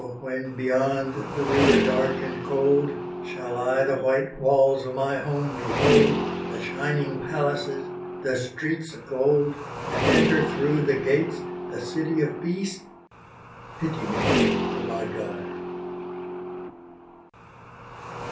when beyond the river dark and cold, Shall I the white walls of my home behold, The shining palaces the streets of gold, And enter through the gates the City of Peace, Pity me, oh my God!